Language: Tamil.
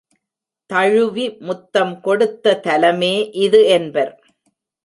தழுவி முத்தம் கொடுத்த தலமே இது என்பர்.